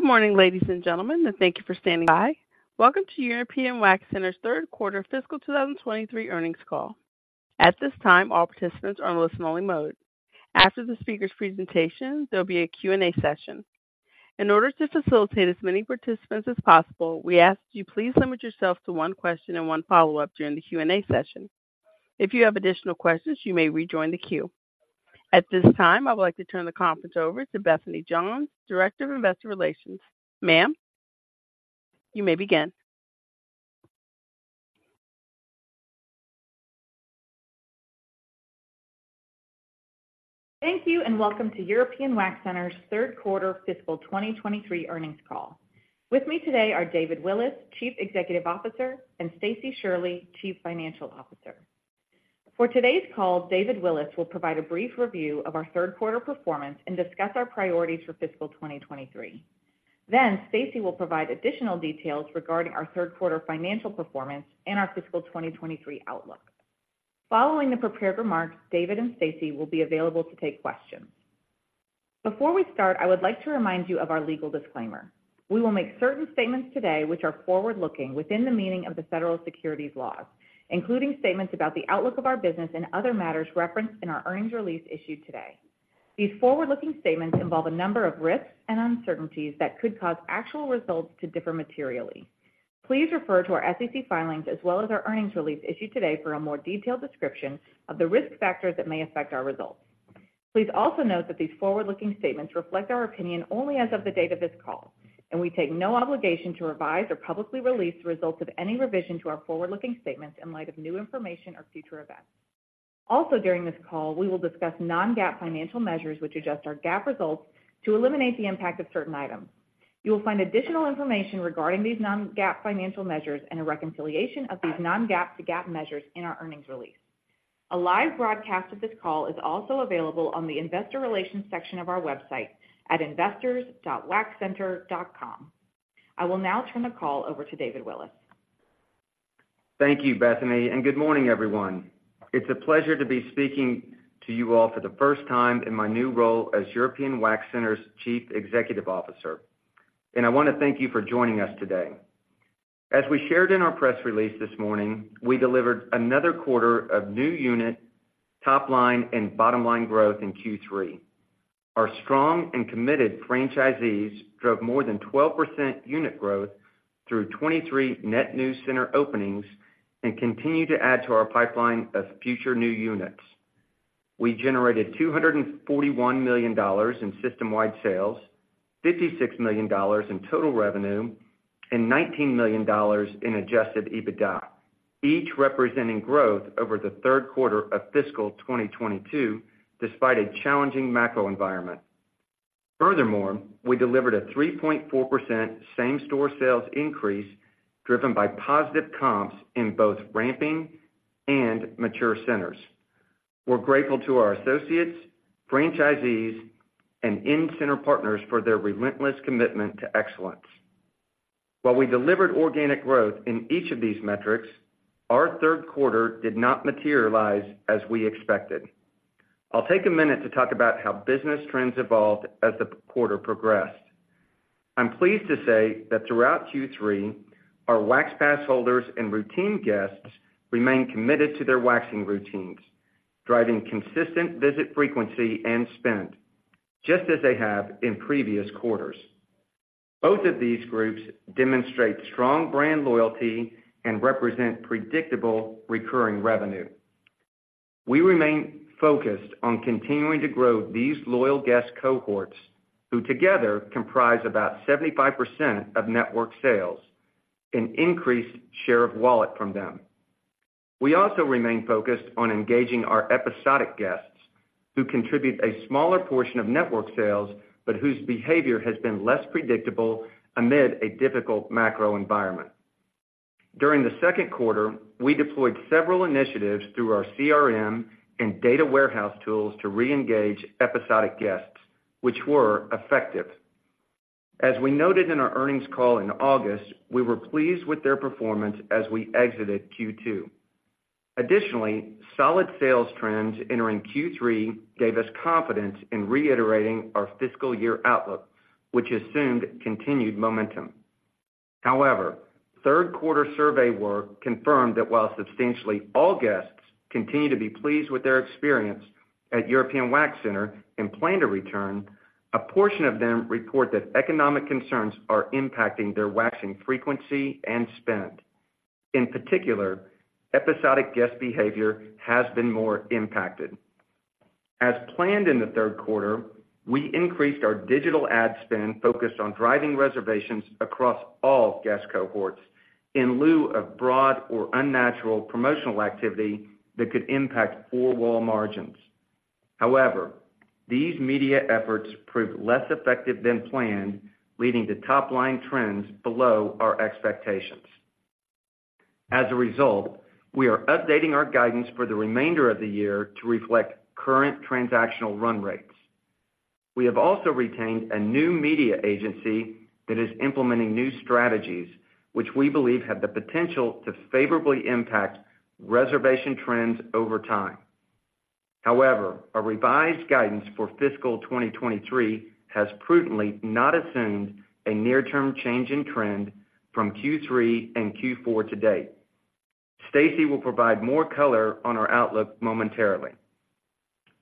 Good morning, ladies and gentlemen, and thank you for standing by. Welcome to European Wax Center's third quarter fiscal 2023 earnings call. At this time, all participants are on listen-only mode. After the speaker's presentation, there'll be a Q&A session. In order to facilitate as many participants as possible, we ask that you please limit yourself to one question and one follow-up during the Q&A session. If you have additional questions, you may rejoin the queue. At this time, I would like to turn the conference over to Bethany Johns, Director of Investor Relations. Ma'am, you may begin. Thank you, and welcome to European Wax Center's third quarter fiscal 2023 earnings call. With me today are David Willis, Chief Executive Officer, and Stacie Shirley, Chief Financial Officer. For today's call, David Willis will provide a brief review of our third quarter performance and discuss our priorities for fiscal 2023. Then Stacie will provide additional details regarding our third quarter financial performance and our fiscal 2023 outlook. Following the prepared remarks, David and Stacie will be available to take questions. Before we start, I would like to remind you of our legal disclaimer. We will make certain statements today which are forward-looking within the meaning of the federal securities laws, including statements about the outlook of our business and other matters referenced in our earnings release issued today. These forward-looking statements involve a number of risks and uncertainties that could cause actual results to differ materially. Please refer to our SEC filings as well as our earnings release issued today for a more detailed description of the risk factors that may affect our results. Please also note that these forward-looking statements reflect our opinion only as of the date of this call, and we take no obligation to revise or publicly release the results of any revision to our forward-looking statements in light of new information or future events. Also, during this call, we will discuss non-GAAP financial measures, which adjust our GAAP results to eliminate the impact of certain items. You will find additional information regarding these non-GAAP financial measures and a reconciliation of these non-GAAP to GAAP measures in our earnings release. A live broadcast of this call is also available on the Investor Relations section of our website at investors.waxcenter.com. I will now turn the call over to David Willis. Thank you, Bethany, and good morning, everyone. It's a pleasure to be speaking to you all for the first time in my new role as European Wax Center's Chief Executive Officer, and I want to thank you for joining us today. As we shared in our press release this morning, we delivered another quarter of new unit, top-line, and bottom-line growth in Q3. Our strong and committed franchisees drove more than 12% unit growth through 23 net new center openings and continued to add to our pipeline of future new units. We generated $241 million in system-wide sales, $56 million in total revenue, and $19 million in Adjusted EBITDA, each representing growth over the third quarter of fiscal 2022, despite a challenging macro environment. Furthermore, we delivered a 3.4% same-store sales increase, driven by positive comps in both ramping and mature centers. We're grateful to our associates, franchisees, and in-center partners for their relentless commitment to excellence. While we delivered organic growth in each of these metrics, our third quarter did not materialize as we expected. I'll take a minute to talk about how business trends evolved as the quarter progressed. I'm pleased to say that throughout Q3, our Wax Pass holders and routine guests remained committed to their waxing routines, driving consistent visit frequency and spend, just as they have in previous quarters. Both of these groups demonstrate strong brand loyalty and represent predictable recurring revenue. We remain focused on continuing to grow these loyal guest cohorts, who together comprise about 75% of network sales, and increase share of wallet from them. We also remain focused on engaging our episodic guests, who contribute a smaller portion of network sales, but whose behavior has been less predictable amid a difficult macro environment. During the second quarter, we deployed several initiatives through our CRM and data warehouse tools to reengage episodic guests, which were effective. As we noted in our earnings call in August, we were pleased with their performance as we exited Q2. Additionally, solid sales trends entering Q3 gave us confidence in reiterating our fiscal year outlook, which assumed continued momentum. However, third-quarter survey work confirmed that while substantially all guests continue to be pleased with their experience at European Wax Center and plan to return, a portion of them report that economic concerns are impacting their waxing frequency and spend. In particular, episodic guest behavior has been more impacted. As planned in the third quarter, we increased our digital ad spend, focused on driving reservations across all guest cohorts in lieu of broad or unnatural promotional activity that could impact four-wall margins. However, these media efforts proved less effective than planned, leading to top-line trends below our expectations. As a result, we are updating our guidance for the remainder of the year to reflect current transactional run rates. We have also retained a new media agency that is implementing new strategies, which we believe have the potential to favorably impact reservation trends over time... However, our revised guidance for fiscal 2023 has prudently not assumed a near-term change in trend from Q3 and Q4 to date. Stacie will provide more color on our outlook momentarily.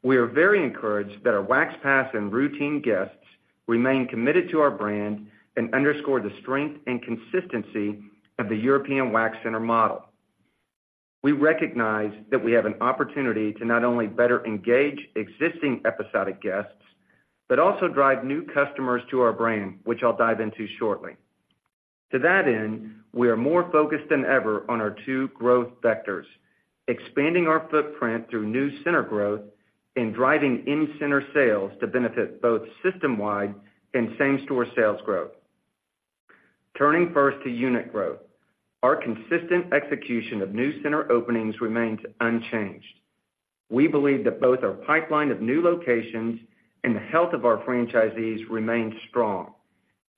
We are very encouraged that our Wax Pass and routine guests remain committed to our brand and underscore the strength and consistency of the European Wax Center model. We recognize that we have an opportunity to not only better engage existing episodic guests, but also drive new customers to our brand, which I'll dive into shortly. To that end, we are more focused than ever on our two growth vectors, expanding our footprint through new center growth and driving in-center sales to benefit both system-wide and same-store sales growth. Turning first to unit growth. Our consistent execution of new center openings remains unchanged. We believe that both our pipeline of new locations and the health of our franchisees remains strong,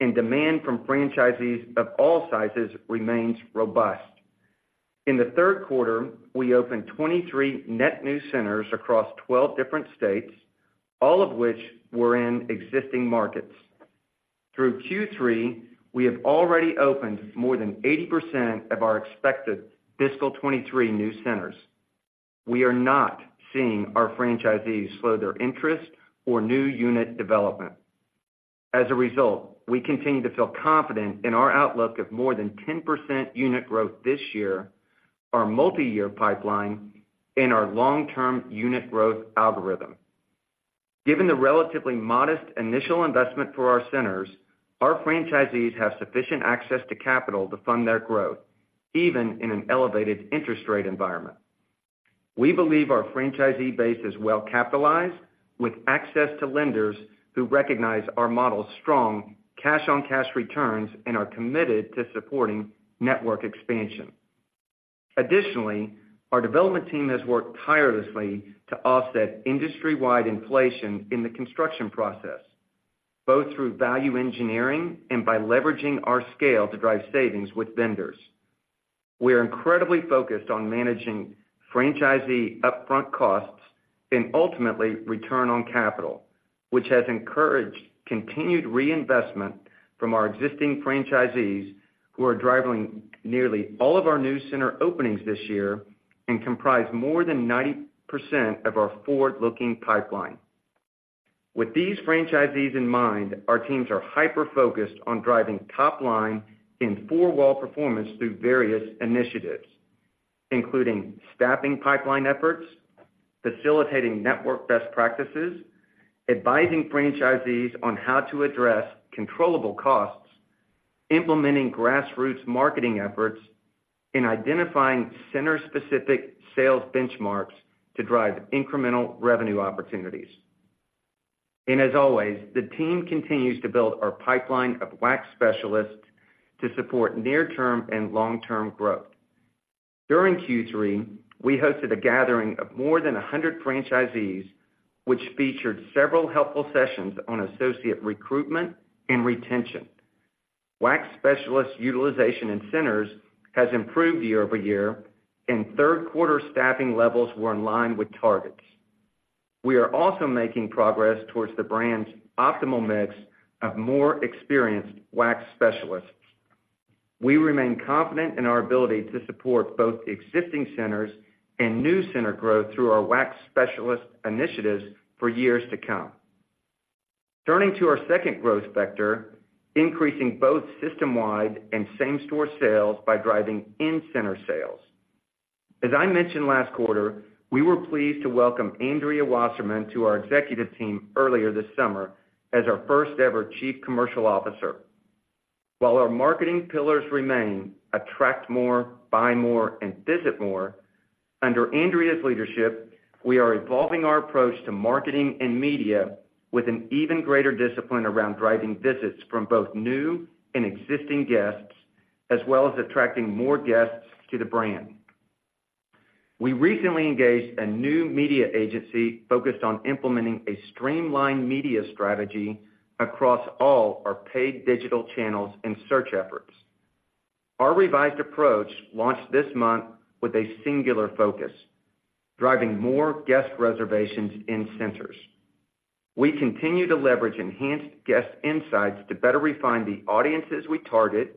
and demand from franchisees of all sizes remains robust. In the third quarter, we opened 23 net new centers across 12 different states, all of which were in existing markets. Through Q3, we have already opened more than 80% of our expected fiscal 2023 new centers. We are not seeing our franchisees slow their interest or new unit development. As a result, we continue to feel confident in our outlook of more than 10% unit growth this year, our multi-year pipeline, and our long-term unit growth algorithm. Given the relatively modest initial investment for our centers, our franchisees have sufficient access to capital to fund their growth, even in an elevated interest rate environment. We believe our franchisee base is well capitalized, with access to lenders who recognize our model's strong cash-on-cash returns and are committed to supporting network expansion. Additionally, our development team has worked tirelessly to offset industry-wide inflation in the construction process, both through value engineering and by leveraging our scale to drive savings with vendors. We are incredibly focused on managing franchisee upfront costs and ultimately return on capital, which has encouraged continued reinvestment from our existing franchisees, who are driving nearly all of our new center openings this year and comprise more than 90% of our forward-looking pipeline. With these franchisees in mind, our teams are hyper-focused on driving top line and four-wall performance through various initiatives, including staffing pipeline efforts, facilitating network best practices, advising franchisees on how to address controllable costs, implementing grassroots marketing efforts, and identifying center-specific sales benchmarks to drive incremental revenue opportunities. As always, the team continues to build our pipeline of wax specialists to support near-term and long-term growth. During Q3, we hosted a gathering of more than 100 franchisees, which featured several helpful sessions on associate recruitment and retention. Wax specialist utilization in centers has improved year-over-year, and third quarter staffing levels were in line with targets. We are also making progress towards the brand's optimal mix of more experienced wax specialists. We remain confident in our ability to support both existing centers and new center growth through our wax specialist initiatives for years to come. Turning to our second growth vector, increasing both system-wide and same-store sales by driving in-center sales. As I mentioned last quarter, we were pleased to welcome Andrea Wasserman to our executive team earlier this summer as our first-ever Chief Commercial Officer. While our marketing pillars remain attract more, buy more, and visit more, under Andrea's leadership, we are evolving our approach to marketing and media with an even greater discipline around driving visits from both new and existing guests, as well as attracting more guests to the brand. We recently engaged a new media agency focused on implementing a streamlined media strategy across all our paid digital channels and search efforts. Our revised approach launched this month with a singular focus, driving more guest reservations in centers. We continue to leverage enhanced guest insights to better refine the audiences we target,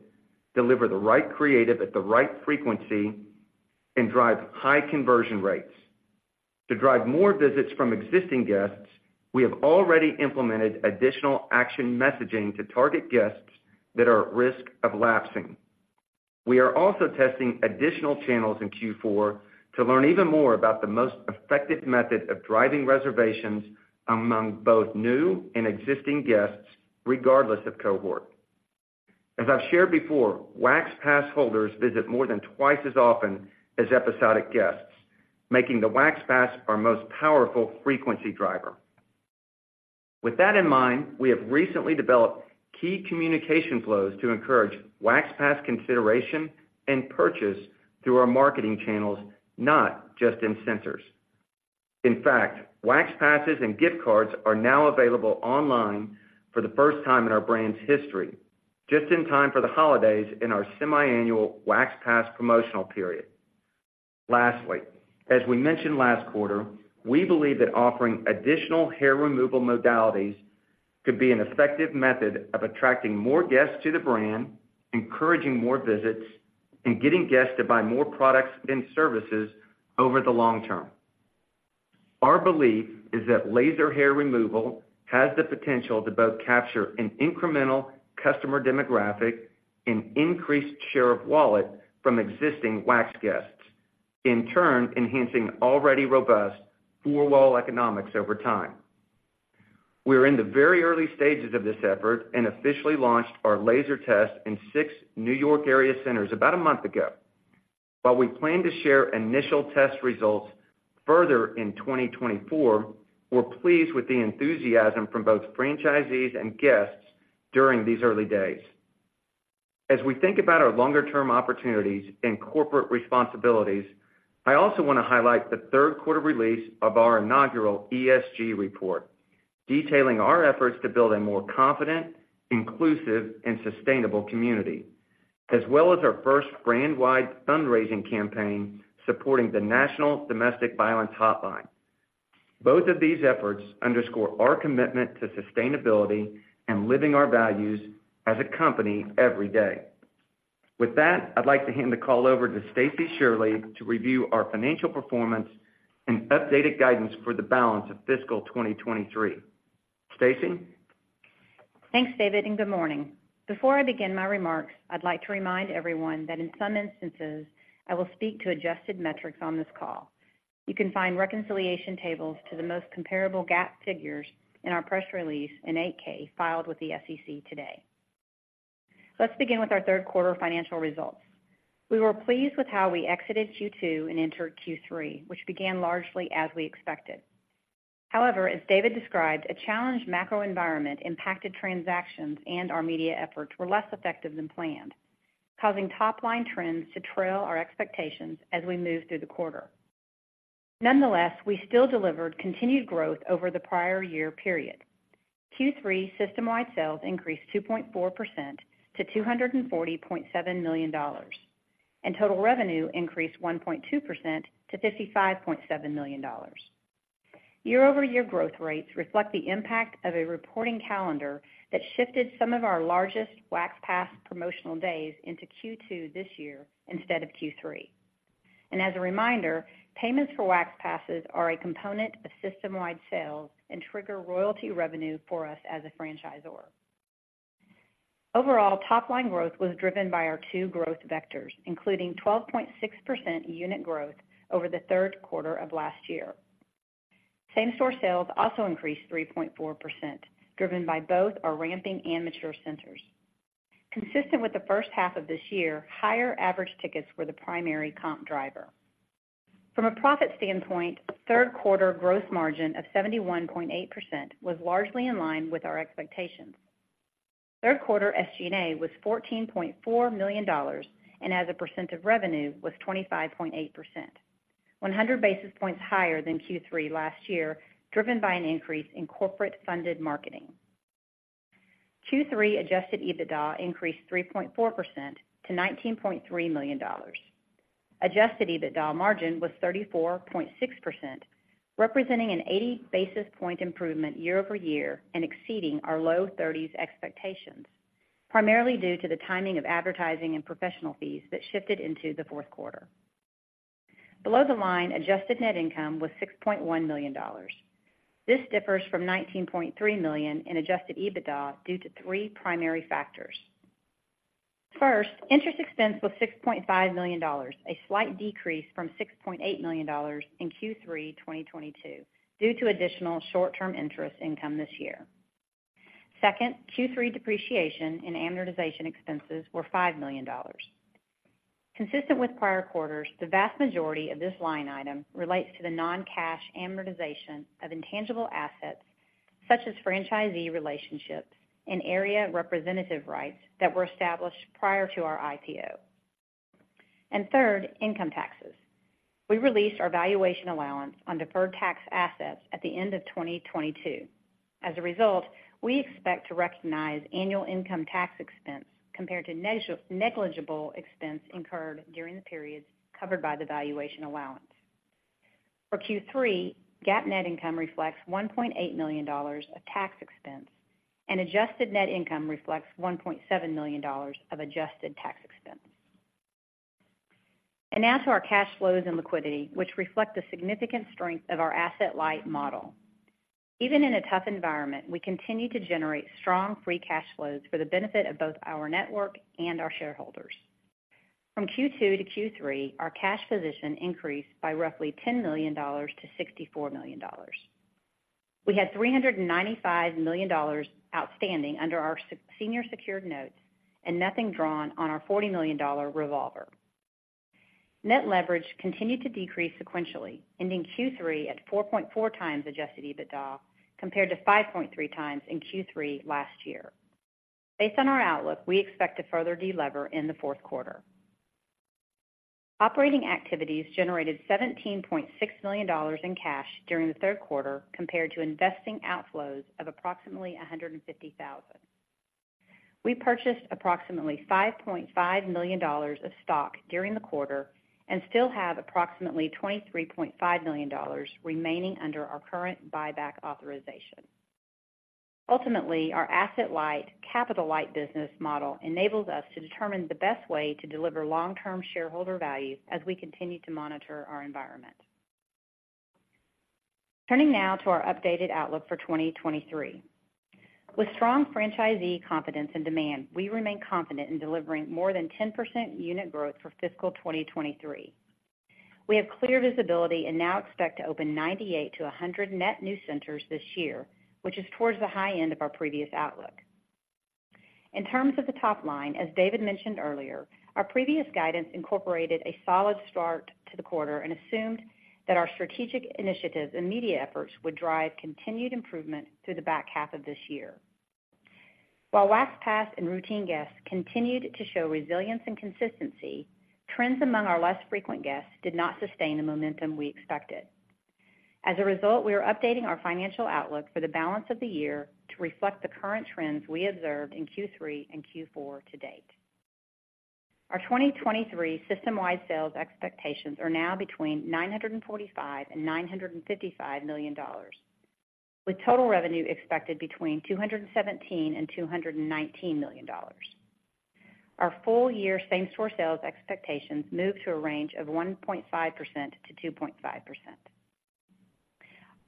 deliver the right creative at the right frequency, and drive high conversion rates. To drive more visits from existing guests, we have already implemented additional action messaging to target guests that are at risk of lapsing. We are also testing additional channels in Q4 to learn even more about the most effective method of driving reservations among both new and existing guests, regardless of cohort. As I've shared before, Wax Pass holders visit more than twice as often as episodic guests, making the Wax Pass our most powerful frequency driver. With that in mind, we have recently developed key communication flows to encourage Wax Pass consideration and purchase through our marketing channels, not just in centers. In fact, Wax Passes and gift cards are now available online for the first time in our brand's history... just in time for the holidays in our semi-annual Wax Pass promotional period. Lastly, as we mentioned last quarter, we believe that offering additional hair removal modalities could be an effective method of attracting more guests to the brand, encouraging more visits, and getting guests to buy more products and services over the long term. Our belief is that laser hair removal has the potential to both capture an incremental customer demographic and increase share of wallet from existing wax guests, in turn, enhancing already robust four-wall economics over time. We're in the very early stages of this effort and officially launched our laser test in six New York area centers about a month ago. While we plan to share initial test results further in 2024, we're pleased with the enthusiasm from both franchisees and guests during these early days. As we think about our longer-term opportunities and corporate responsibilities, I also want to highlight the third quarter release of our inaugural ESG report, detailing our efforts to build a more confident, inclusive, and sustainable community, as well as our first brand-wide fundraising campaign supporting the National Domestic Violence Hotline. Both of these efforts underscore our commitment to sustainability and living our values as a company every day. With that, I'd like to hand the call over to Stacie Shirley to review our financial performance and updated guidance for the balance of fiscal 2023. Stacie? Thanks, David, and good morning. Before I begin my remarks, I'd like to remind everyone that in some instances, I will speak to adjusted metrics on this call. You can find reconciliation tables to the most comparable GAAP figures in our press release and 8-K filed with the SEC today. Let's begin with our third quarter financial results. We were pleased with how we exited Q2 and entered Q3, which began largely as we expected. However, as David described, a challenged macro environment impacted transactions, and our media efforts were less effective than planned, causing top-line trends to trail our expectations as we moved through the quarter. Nonetheless, we still delivered continued growth over the prior year period. Q3 system-wide sales increased 2.4% to $240.7 million, and total revenue increased 1.2% to $55.7 million. Year-over-year growth rates reflect the impact of a reporting calendar that shifted some of our largest Wax Pass promotional days into Q2 this year instead of Q3. And as a reminder, payments for Wax Passes are a component of system-wide sales and trigger royalty revenue for us as a franchisor. Overall, top-line growth was driven by our two growth vectors, including 12.6% unit growth over the third quarter of last year. Same-store sales also increased 3.4%, driven by both our ramping and mature centers. Consistent with the first half of this year, higher average tickets were the primary comp driver. From a profit standpoint, third quarter gross margin of 71.8% was largely in line with our expectations. Third quarter SG&A was $14.4 million, and as a percent of revenue, was 25.8%, 100 basis points higher than Q3 last year, driven by an increase in corporate-funded marketing. Q3 adjusted EBITDA increased 3.4% to $19.3 million. Adjusted EBITDA margin was 34.6%, representing an 80 basis point improvement year over year and exceeding our low thirties expectations, primarily due to the timing of advertising and professional fees that shifted into the fourth quarter. Below the line, adjusted net income was $6.1 million. This differs from $19.3 million in adjusted EBITDA due to three primary factors. First, interest expense was $6.5 million, a slight decrease from $6.8 million in Q3 2022 due to additional short-term interest income this year. Second, Q3 depreciation and amortization expenses were $5 million. Consistent with prior quarters, the vast majority of this line item relates to the non-cash amortization of intangible assets, such as franchisee relationships and area representative rights that were established prior to our IPO. And third, income taxes. We released our valuation allowance on deferred tax assets at the end of 2022. As a result, we expect to recognize annual income tax expense compared to negligible expense incurred during the periods covered by the valuation allowance. For Q3, GAAP net income reflects $1.8 million of tax expense, and adjusted net income reflects $1.7 million of adjusted tax expense. And now to our cash flows and liquidity, which reflect the significant strength of our asset-light model. Even in a tough environment, we continue to generate strong free cash flows for the benefit of both our network and our shareholders. From Q2 to Q3, our cash position increased by roughly $10 million-$64 million. We had $395 million outstanding under our senior secured notes and nothing drawn on our $40 million revolver. Net leverage continued to decrease sequentially, ending Q3 at 4.4x adjusted EBITDA, compared to 5.3x in Q3 last year. Based on our outlook, we expect to further delever in the fourth quarter. Operating activities generated $17.6 million in cash during the third quarter compared to investing outflows of approximately $150,000. We purchased approximately $5.5 million of stock during the quarter and still have approximately $23.5 million remaining under our current buyback authorization. Ultimately, our asset-light, capital-light business model enables us to determine the best way to deliver long-term shareholder value as we continue to monitor our environment. Turning now to our updated outlook for 2023. With strong franchisee confidence and demand, we remain confident in delivering more than 10% unit growth for fiscal 2023. We have clear visibility and now expect to open 98-100 net new centers this year, which is towards the high end of our previous outlook. In terms of the top line, as David mentioned earlier, our previous guidance incorporated a solid start to the quarter and assumed that our strategic initiatives and media efforts would drive continued improvement through the back half of this year. While Wax Pass and routine guests continued to show resilience and consistency, trends among our less frequent guests did not sustain the momentum we expected. As a result, we are updating our financial outlook for the balance of the year to reflect the current trends we observed in Q3 and Q4 to date. Our 2023 system-wide sales expectations are now between $945 million and $955 million, with total revenue expected between $217 million and $219 million. Our full-year same-store sales expectations move to a range of 1.5%-2.5%.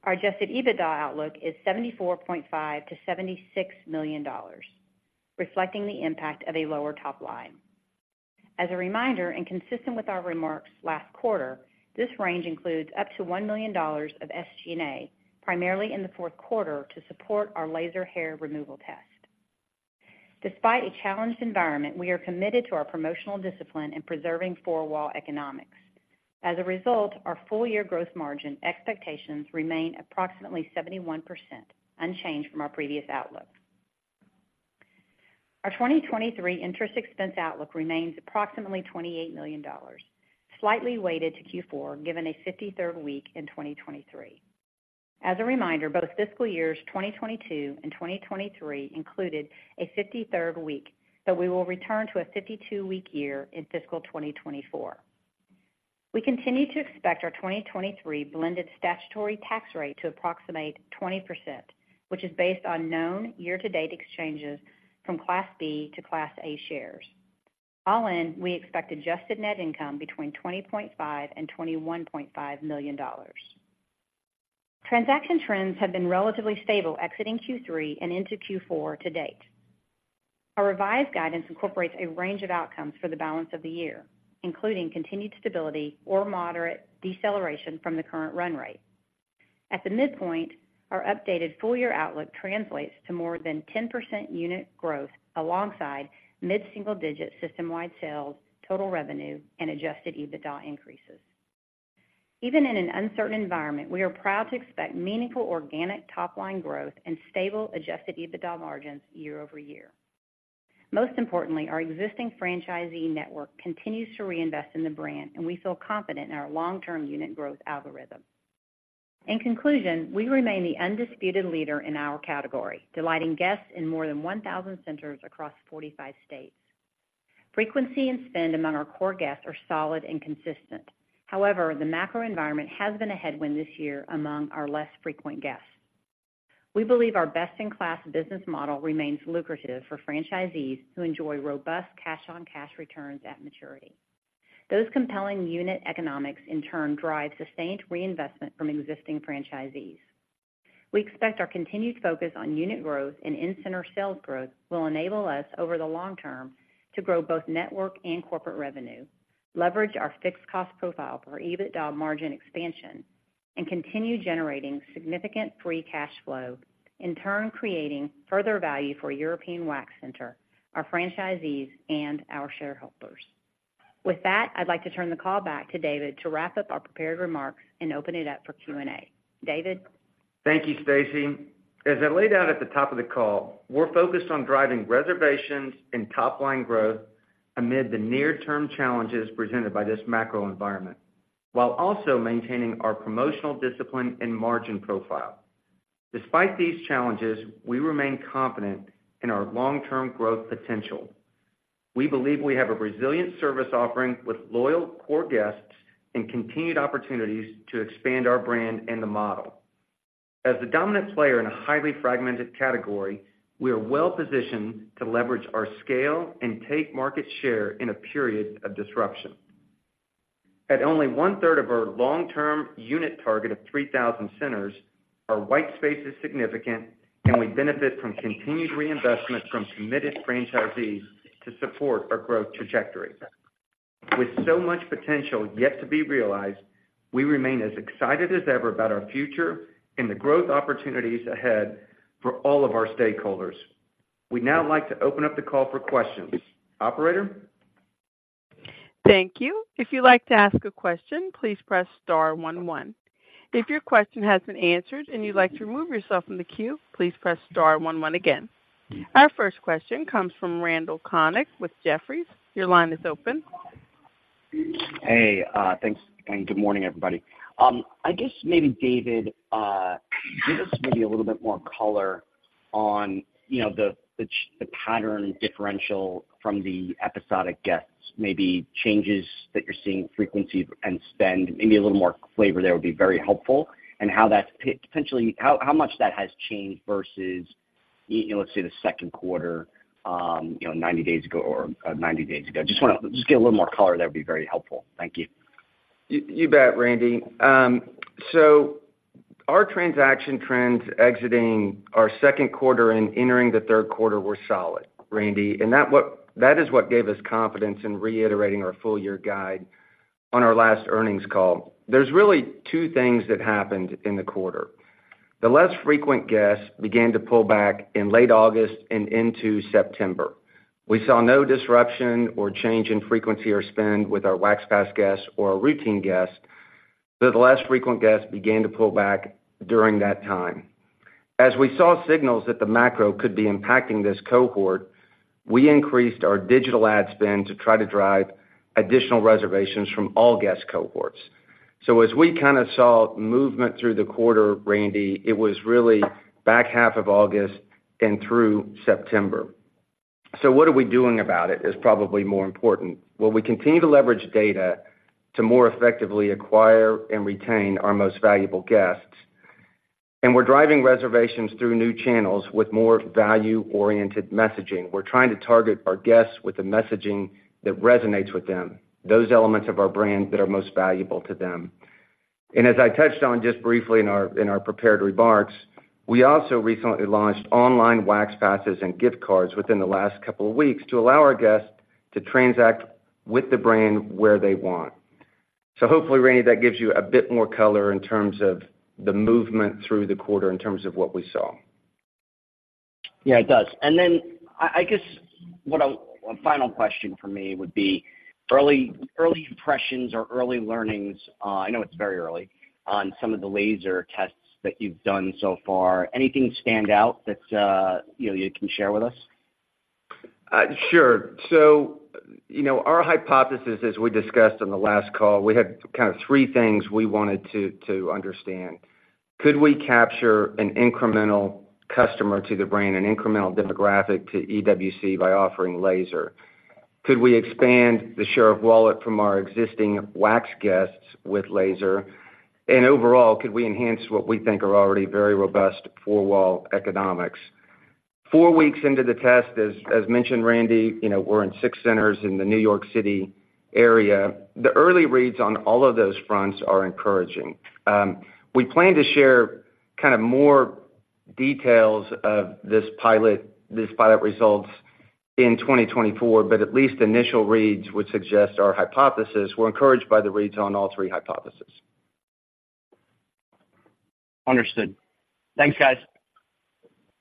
Our Adjusted EBITDA outlook is $74.5 million-$76 million, reflecting the impact of a lower top line. As a reminder, and consistent with our remarks last quarter, this range includes up to $1 million of SG&A, primarily in the fourth quarter, to support our laser hair removal test. Despite a challenged environment, we are committed to our promotional discipline in preserving four-wall economics. As a result, our full-year growth margin expectations remain approximately 71%, unchanged from our previous outlook. Our 2023 interest expense outlook remains approximately $28 million, slightly weighted to Q4, given a 53rd week in 2023. As a reminder, both fiscal years, 2022 and 2023, included a 53rd week, but we will return to a 52-week year in fiscal 2024. We continue to expect our 2023 blended statutory tax rate to approximate 20%, which is based on known year-to-date exchanges from Class B to Class A shares. All in, we expect adjusted net income between $20.5 million and $21.5 million. Transaction trends have been relatively stable exiting Q3 and into Q4 to date. Our revised guidance incorporates a range of outcomes for the balance of the year, including continued stability or moderate deceleration from the current run rate. At the midpoint, our updated full-year outlook translates to more than 10% unit growth, alongside mid-single-digit system-wide sales, total revenue, and Adjusted EBITDA increases. Even in an uncertain environment, we are proud to expect meaningful organic top-line growth and stable Adjusted EBITDA margins year-over-year. Most importantly, our existing franchisee network continues to reinvest in the brand, and we feel confident in our long-term unit growth algorithm. In conclusion, we remain the undisputed leader in our category, delighting guests in more than 1,000 centers across 45 states. Frequency and spend among our core guests are solid and consistent. However, the macro environment has been a headwind this year among our less frequent guests. We believe our best-in-class business model remains lucrative for franchisees who enjoy robust cash-on-cash returns at maturity. Those compelling unit economics, in turn, drive sustained reinvestment from existing franchisees. We expect our continued focus on unit growth and in-center sales growth will enable us, over the long term, to grow both network and corporate revenue, leverage our fixed cost profile for EBITDA margin expansion, and continue generating significant free cash flow, in turn, creating further value for European Wax Center, our franchisees, and our shareholders. With that, I'd like to turn the call back to David to wrap up our prepared remarks and open it up for Q&A. David? Thank you, Stacie. As I laid out at the top of the call, we're focused on driving reservations and top-line growth amid the near-term challenges presented by this macro environment, while also maintaining our promotional discipline and margin profile. Despite these challenges, we remain confident in our long-term growth potential. We believe we have a resilient service offering with loyal core guests and continued opportunities to expand our brand and the model. As the dominant player in a highly fragmented category, we are well positioned to leverage our scale and take market share in a period of disruption. At only one-third of our long-term unit target of 3,000 centers, our white space is significant, and we benefit from continued reinvestment from committed franchisees to support our growth trajectory. With so much potential yet to be realized, we remain as excited as ever about our future and the growth opportunities ahead for all of our stakeholders. We'd now like to open up the call for questions. Operator? Thank you. If you'd like to ask a question, please press star one, one.... If your question has been answered and you'd like to remove yourself from the queue, please press star one one again. Our first question comes from Randal Konik with Jefferies. Your line is open. Hey, thanks, and good morning, everybody. I guess maybe, David, give us maybe a little bit more color on, you know, the pattern differential from the episodic guests, maybe changes that you're seeing, frequency and spend. Maybe a little more flavor there would be very helpful. And how that's potentially, how much that has changed versus, you know, let's say, the second quarter, ninety days ago or ninety days ago. Just wanna get a little more color there would be very helpful. Thank you. You bet, Randy. So our transaction trends exiting our second quarter and entering the third quarter were solid, Randy, and that is what gave us confidence in reiterating our full year guide on our last earnings call. There's really two things that happened in the quarter. The less frequent guests began to pull back in late August and into September. We saw no disruption or change in frequency or spend with our Wax Pass guests or our routine guests, but the less frequent guests began to pull back during that time. As we saw signals that the macro could be impacting this cohort, we increased our digital ad spend to try to drive additional reservations from all guest cohorts. So as we kind of saw movement through the quarter, Randy, it was really back half of August and through September. So what are we doing about it is probably more important. Well, we continue to leverage data to more effectively acquire and retain our most valuable guests, and we're driving reservations through new channels with more value-oriented messaging. We're trying to target our guests with the messaging that resonates with them, those elements of our brand that are most valuable to them. And as I touched on just briefly in our, in our prepared remarks, we also recently launched online Wax Passes and gift cards within the last couple of weeks to allow our guests to transact with the brand where they want. So hopefully, Randy, that gives you a bit more color in terms of the movement through the quarter, in terms of what we saw. Yeah, it does. And then, I guess one final question for me would be early, early impressions or early learnings. I know it's very early on some of the laser tests that you've done so far. Anything stand out that you know you can share with us? Sure. So, you know, our hypothesis, as we discussed on the last call, we had kind of three things we wanted to understand. Could we capture an incremental customer to the brand, an incremental demographic to EWC by offering laser? Could we expand the share of wallet from our existing wax guests with laser? And overall, could we enhance what we think are already very robust four-wall economics? Four weeks into the test, as mentioned, Randy, you know, we're in six centers in the New York City area. The early reads on all of those fronts are encouraging. We plan to share kind of more details of this pilot, these pilot results in 2024, but at least initial reads would suggest our hypothesis. We're encouraged by the reads on all three hypothesis. Understood. Thanks, guys.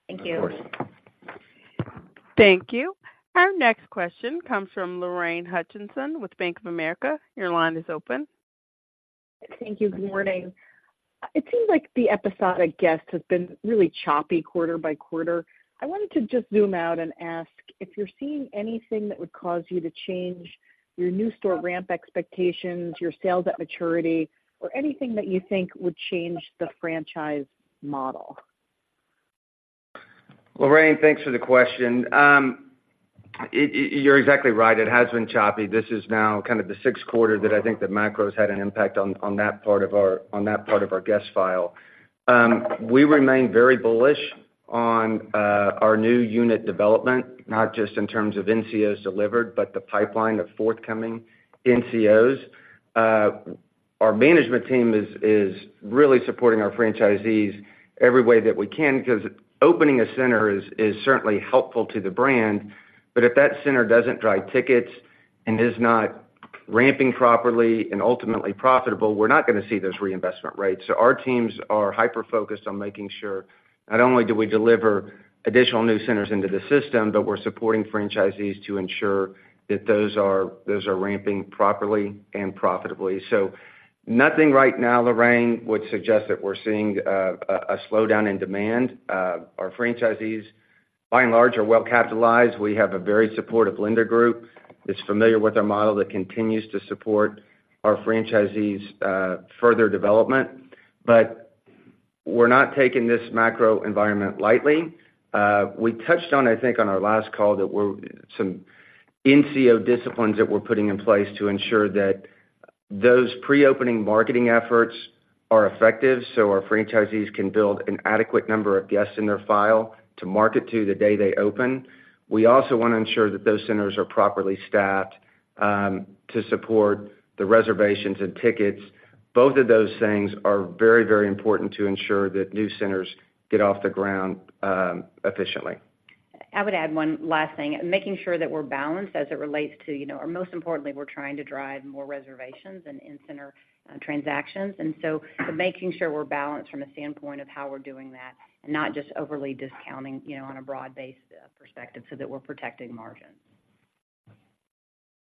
Thank you. Of course. Thank you. Our next question comes from Lorraine Hutchinson with Bank of America. Your line is open. Thank you. Good morning. It seems like the episodic guests have been really choppy quarter by quarter. I wanted to just zoom out and ask if you're seeing anything that would cause you to change your new store ramp expectations, your sales at maturity, or anything that you think would change the franchise model? Lorraine, thanks for the question. You're exactly right, it has been choppy. This is now kind of the sixth quarter that I think the macro's had an impact on that part of our guest file. We remain very bullish on our new unit development, not just in terms of NCOs delivered, but the pipeline of forthcoming NCOs. Our management team is really supporting our franchisees every way that we can, because opening a center is certainly helpful to the brand, but if that center doesn't drive tickets and is not ramping properly and ultimately profitable, we're not gonna see those reinvestment rates. So our teams are hyper-focused on making sure not only do we deliver additional new centers into the system, but we're supporting franchisees to ensure that those are ramping properly and profitably. So nothing right now, Lorraine, would suggest that we're seeing a slowdown in demand. Our franchisees, by and large, are well capitalized. We have a very supportive lender group that's familiar with our model that continues to support our franchisees' further development. But we're not taking this macro environment lightly. We touched on, I think, on our last call, some NCO disciplines that we're putting in place to ensure that those pre-opening marketing efforts are effective, so our franchisees can build an adequate number of guests in their file to market to the day they open. We also want to ensure that those centers are properly staffed to support the reservations and tickets. Both of those things are very, very important to ensure that new centers get off the ground efficiently. I would add one last thing. Making sure that we're balanced as it relates to, you know, or most importantly, we're trying to drive more reservations and in-center transactions. And so making sure we're balanced from a standpoint of how we're doing that, and not just overly discounting, you know, on a broad-based perspective, so that we're protecting margins....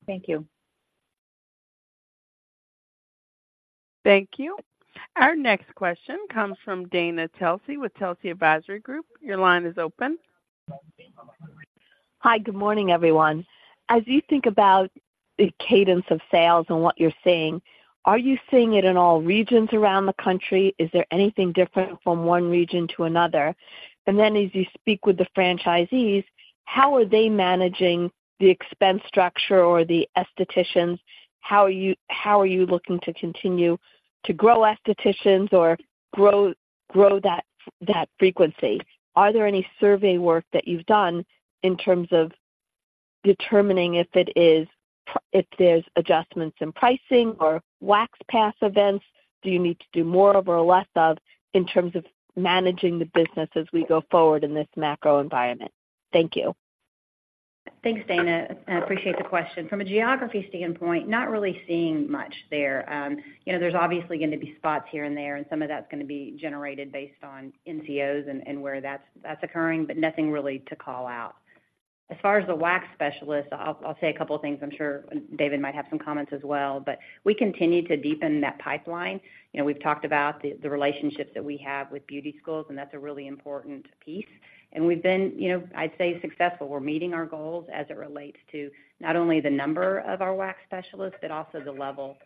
Thank you. Thank you. Our next question comes from Dana Telsey with Telsey Advisory Group. Your line is open. Hi. Good morning, everyone. As you think about the cadence of sales and what you're seeing, are you seeing it in all regions around the country? Is there anything different from one region to another? And then as you speak with the franchisees, how are they managing the expense structure or the aestheticians? How are you, how are you looking to continue to grow aestheticians or grow, grow that, that frequency? Are there any survey work that you've done in terms of determining if it is, if there's adjustments in pricing or Wax Pass events? Do you need to do more of or less of in terms of managing the business as we go forward in this macro environment? Thank you. Thanks, Dana. I appreciate the question. From a geography standpoint, not really seeing much there. You know, there's obviously going to be spots here and there, and some of that's going to be generated based on NCOs and where that's occurring, but nothing really to call out. As far as the wax specialist, I'll say a couple of things. I'm sure David might have some comments as well, but we continue to deepen that pipeline. You know, we've talked about the relationships that we have with beauty schools, and that's a really important piece. And we've been, you know, I'd say successful. We're meeting our goals as it relates to not only the number of our wax specialists, but also the level,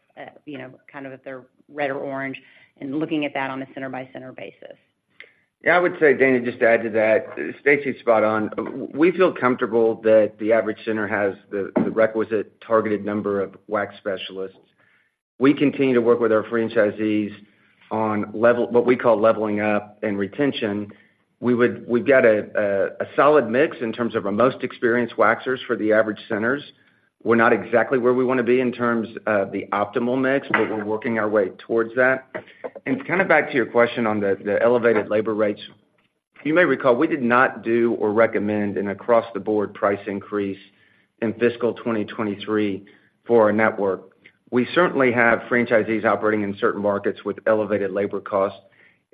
you know, kind of if they're red or orange, and looking at that on a center-by-center basis. Yeah, I would say, Dana, just to add to that, Stacie's spot on. We feel comfortable that the average center has the requisite targeted number of wax specialists. We continue to work with our franchisees on what we call leveling up and retention. We've got a solid mix in terms of our most experienced waxers for the average centers. We're not exactly where we want to be in terms of the optimal mix, but we're working our way toward that. And kind of back to your question on the elevated labor rates. You may recall we did not do or recommend an across-the-board price increase in fiscal 2023 for our network. We certainly have franchisees operating in certain markets with elevated labor costs,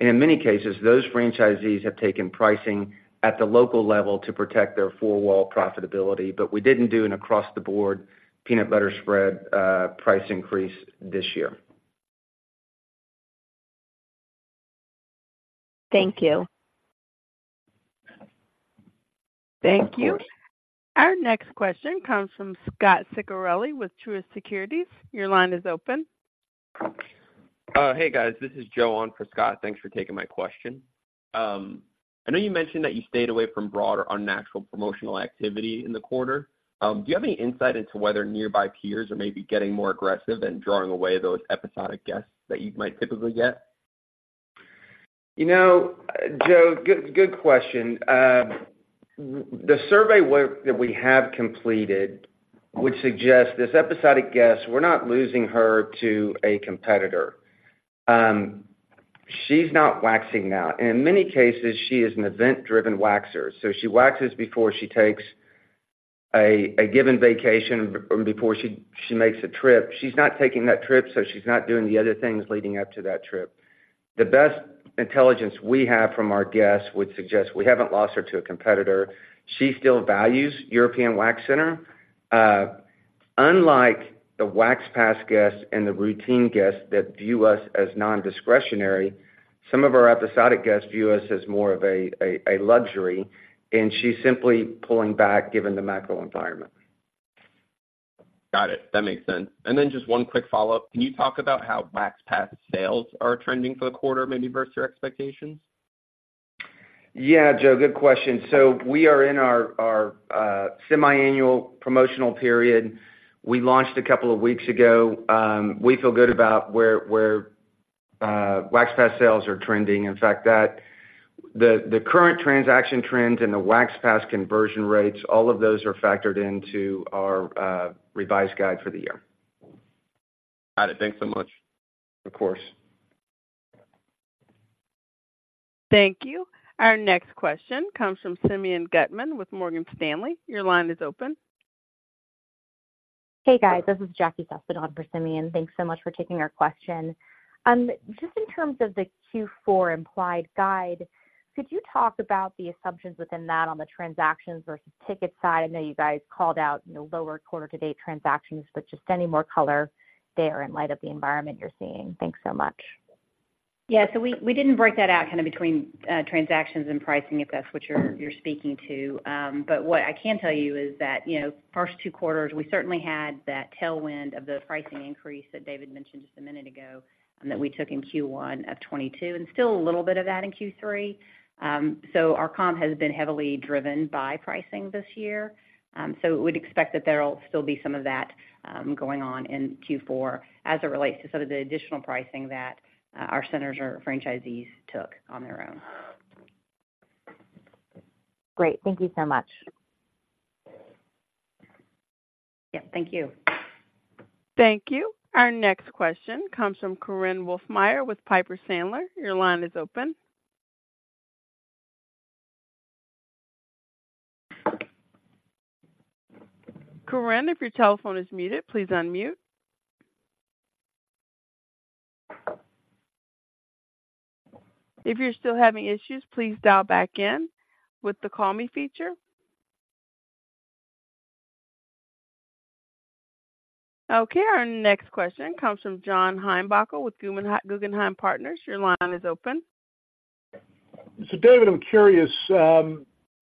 and in many cases, those franchisees have taken pricing at the local level to protect their four-wall profitability. But we didn't do an across-the-board peanut butter spread, price increase this year. Thank you. Thank you. Our next question comes from Scott Ciccarelli with Truist Securities. Your line is open. Hey, guys, this is Joe on for Scott. Thanks for taking my question. I know you mentioned that you stayed away from broad or unnatural promotional activity in the quarter. Do you have any insight into whether nearby peers are maybe getting more aggressive and drawing away those episodic guests that you might typically get? You know, Joe, good, good question. The survey work that we have completed would suggest this episodic guest, we're not losing her to a competitor. She's not waxing now, and in many cases, she is an event-driven waxer. So she waxes before she takes a given vacation or before she makes a trip. She's not taking that trip, so she's not doing the other things leading up to that trip. The best intelligence we have from our guests would suggest we haven't lost her to a competitor. She still values European Wax Center. Unlike the Wax Pass guests and the routine guests that view us as nondiscretionary, some of our episodic guests view us as more of a luxury, and she's simply pulling back, given the macro environment. Got it. That makes sense. And then just one quick follow-up. Can you talk about how Wax Pass sales are trending for the quarter, maybe versus your expectations? Yeah, Joe, good question. So we are in our semiannual promotional period we launched a couple of weeks ago. We feel good about where Wax Pass sales are trending. In fact, that the current transaction trends and the Wax Pass conversion rates, all of those are factored into our revised guide for the year. Got it. Thanks so much. Of course. Thank you. Our next question comes from Simeon Gutman with Morgan Stanley. Your line is open. Hey, guys, this is Jackie Sussman on for Simeon. Thanks so much for taking our question. Just in terms of the Q4 implied guide, could you talk about the assumptions within that on the transactions versus ticket side? I know you guys called out the lower quarter-to-date transactions, but just any more color there in light of the environment you're seeing. Thanks so much. Yeah, so we, we didn't break that out kind of between transactions and pricing, if that's what you're, you're speaking to. But what I can tell you is that, you know, first two quarters, we certainly had that tailwind of the pricing increase that David mentioned just a minute ago, and that we took in Q1 of 2022, and still a little bit of that in Q3. So our comp has been heavily driven by pricing this year. So we'd expect that there will still be some of that going on in Q4 as it relates to some of the additional pricing that our centers or franchisees took on their own. Great. Thank you so much. Yeah, thank you. Thank you. Our next question comes from Corinne Wolfmeyer with Piper Sandler. Your line is open. Corinne, if your telephone is muted, please unmute. ... If you're still having issues, please dial back in with the Call Me feature. Okay, our next question comes from John Heinbockel with Guggenheim, Guggenheim Partners. Your line is open. So David, I'm curious,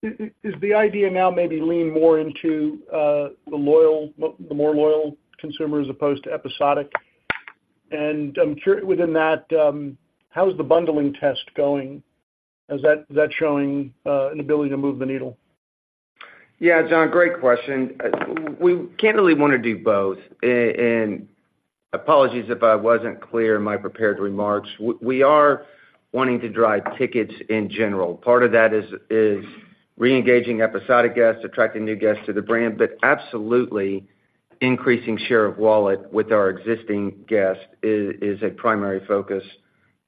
is the idea now maybe lean more into the more loyal consumer as opposed to episodic? And within that, how is the bundling test going? Is that showing an ability to move the needle? Yeah, John, great question. We candidly want to do both. And apologies if I wasn't clear in my prepared remarks. We are wanting to drive tickets in general. Part of that is reengaging episodic guests, attracting new guests to the brand, but absolutely, increasing share of wallet with our existing guests is a primary focus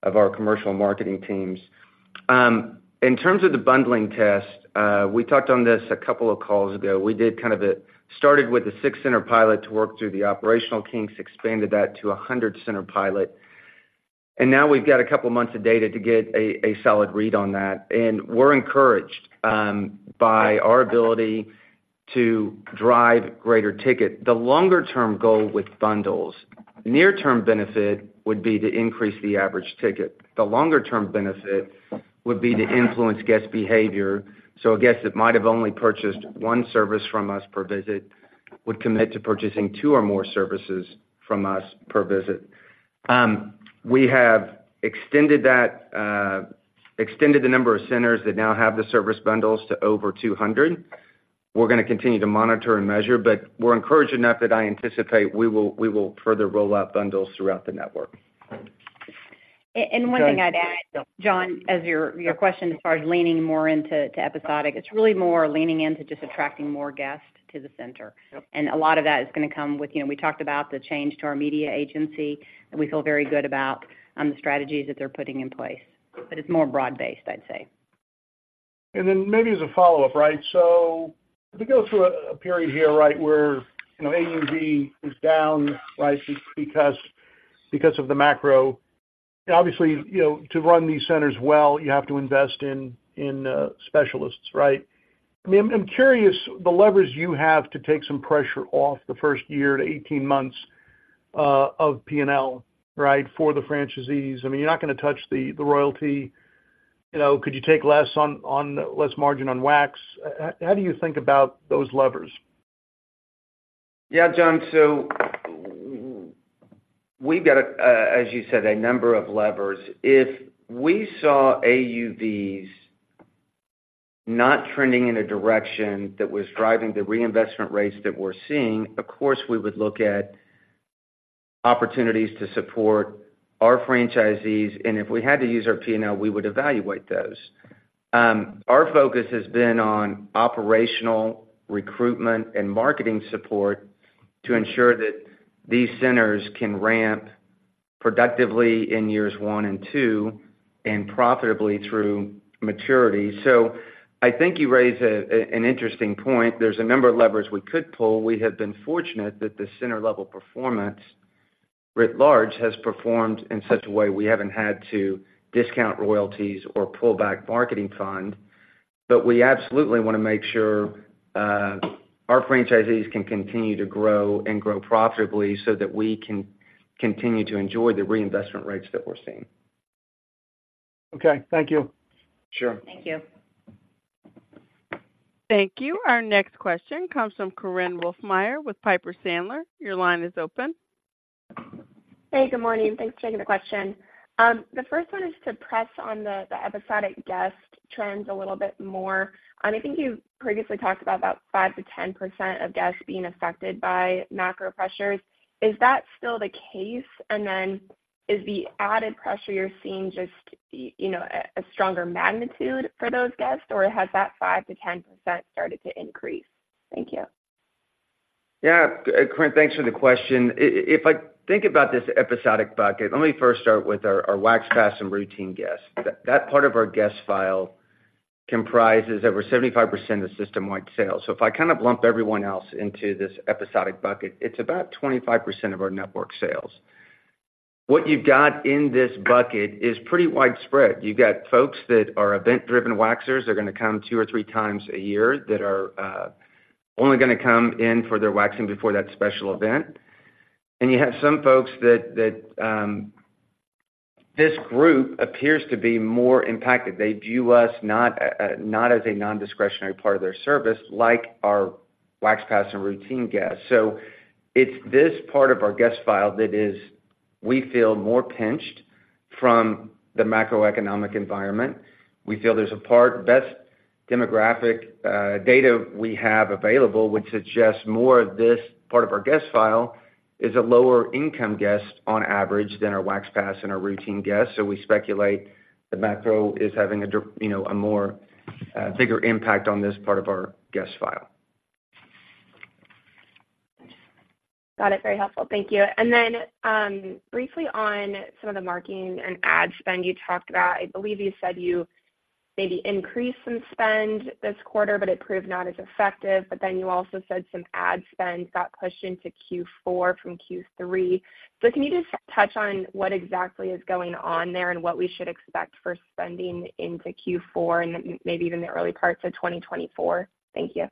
of our commercial marketing teams. In terms of the bundling test, we talked on this a couple of calls ago. We did kind of a started with a six-center pilot to work through the operational kinks, expanded that to a 100-center pilot. And now we've got a couple months of data to get a solid read on that, and we're encouraged by our ability to drive greater ticket. The longer term goal with bundles, near term benefit would be to increase the average ticket. The longer term benefit would be to influence guest behavior. So a guest that might have only purchased one service from us per visit, would commit to purchasing two or more services from us per visit. We have extended that, extended the number of centers that now have the service bundles to over 200. We're gonna continue to monitor and measure, but we're encouraged enough that I anticipate we will, we will further roll out bundles throughout the network. And one thing I'd add, John, as your question as far as leaning more into episodic, it's really more leaning into just attracting more guests to the center. Yep. A lot of that is gonna come with, you know, we talked about the change to our media agency, and we feel very good about the strategies that they're putting in place. It's more broad-based, I'd say. And then maybe as a follow-up, right? So if we go through a period here, right, where, you know, AUV is down, right, because of the macro, obviously, you know, to run these centers well, you have to invest in specialists, right? I mean, I'm curious, the levers you have to take some pressure off the first year to 18 months of P&L, right, for the franchisees. I mean, you're not gonna touch the royalty. You know, could you take less on less margin on wax? How do you think about those levers? Yeah, John, so we've got a, as you said, a number of levers. If we saw AUVs not trending in a direction that was driving the reinvestment rates that we're seeing, of course, we would look at opportunities to support our franchisees, and if we had to use our P&L, we would evaluate those. Our focus has been on operational, recruitment, and marketing support to ensure that these centers can ramp productively in years one and two, and profitably through maturity. So I think you raise an interesting point. There's a number of levers we could pull. We have been fortunate that the center level performance, writ large, has performed in such a way we haven't had to discount royalties or pull back marketing fund. But we absolutely want to make sure, our franchisees can continue to grow and grow profitably, so that we can continue to enjoy the reinvestment rates that we're seeing. Okay, thank you. Sure. Thank you. Thank you. Our next question comes from Corinne Wolfmeyer with Piper Sandler. Your line is open. Hey, good morning. Thanks for taking the question. The first one is to press on the episodic guest trends a little bit more. I think you previously talked about 5%-10% of guests being affected by macro pressures. Is that still the case? And then is the added pressure you're seeing just, you know, a stronger magnitude for those guests, or has that 5%-10% started to increase? Thank you. Yeah, Corinne, thanks for the question. If I think about this episodic bucket, let me first start with our Wax Pass and routine guests. That part of our guest file comprises over 75% of system-wide sales. So if I kind of lump everyone else into this episodic bucket, it's about 25% of our network sales. What you've got in this bucket is pretty widespread. You've got folks that are event-driven waxers, they're gonna come two or three times a year, that are only gonna come in for their waxing before that special event. And you have some folks that this group appears to be more impacted. They view us not as a non-discretionary part of their service, like our Wax Pass and routine guests. So it's this part of our guest file that is, we feel, more pinched from the macroeconomic environment. We feel there's a part, best demographic data we have available, which suggests more of this part of our guest file, is a lower-income guest on average than our Wax Pass and our routine guests. So we speculate the macro is having you know, a more, bigger impact on this part of our guest file. Got it. Very helpful. Thank you. And then, briefly on some of the marketing and ad spend you talked about, I believe you said maybe increase some spend this quarter, but it proved not as effective. But then you also said some ad spend got pushed into Q4 from Q3. So can you just touch on what exactly is going on there and what we should expect for spending into Q4 and maybe even the early parts of 2024? Thank you.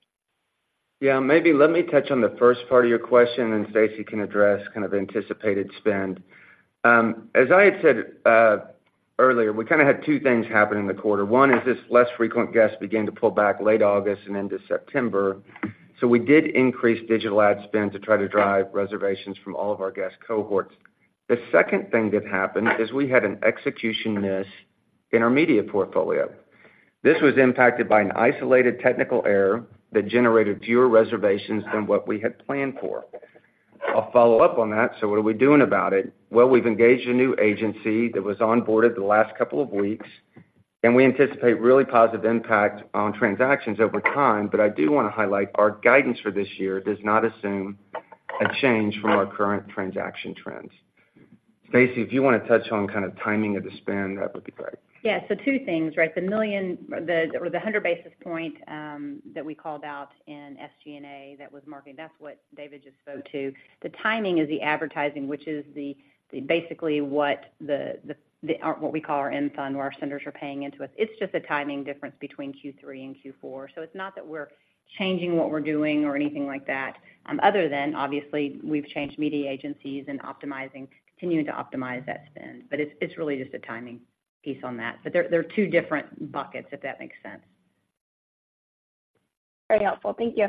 Yeah, maybe let me touch on the first part of your question, and Stacie can address kind of anticipated spend. As I had said, earlier, we kind of had two things happen in the quarter. One is this less frequent guests began to pull back late August and into September, so we did increase digital ad spend to try to drive reservations from all of our guest cohorts. The second thing that happened is we had an execution miss in our media portfolio. This was impacted by an isolated technical error that generated fewer reservations than what we had planned for. I'll follow up on that. So what are we doing about it? Well, we've engaged a new agency that was onboarded the last couple of weeks, and we anticipate really positive impact on transactions over time. I do want to highlight, our guidance for this year does not assume a change from our current transaction trends. Stacie, if you want to touch on kind of timing of the spend, that would be great. Yeah, so two things, right? The $1 million or the 100 basis point that we called out in SG&A, that was marketing, that's what David just spoke to. The timing is the advertising, which is basically what we call our M fund, where our centers are paying into us. It's just a timing difference between Q3 and Q4. So it's not that we're changing what we're doing or anything like that, other than obviously we've changed media agencies and optimizing, continuing to optimize that spend. But it's really just a timing piece on that. But they're two different buckets, if that makes sense. Very helpful. Thank you.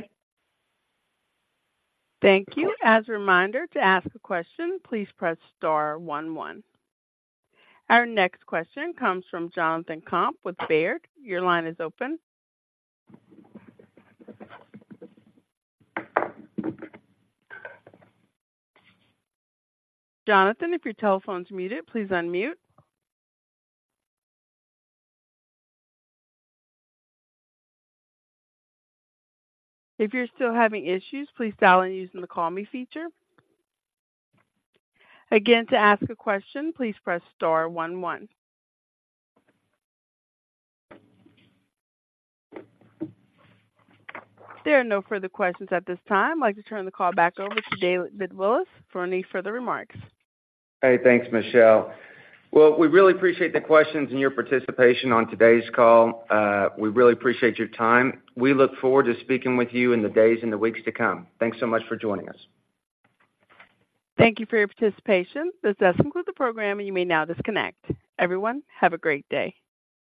Thank you. As a reminder, to ask a question, please press star one, one. Our next question comes from Jonathan Komp with Baird. Your line is open. Jonathan, if your telephone is muted, please unmute. If you're still having issues, please dial in using the call me feature. Again, to ask a question, please press star one, one. There are no further questions at this time. I'd like to turn the call back over to David Willis for any further remarks. Hey, thanks, Michelle. Well, we really appreciate the questions and your participation on today's call. We really appreciate your time. We look forward to speaking with you in the days and the weeks to come. Thanks so much for joining us. Thank you for your participation. This does conclude the program, and you may now disconnect. Everyone, have a great day!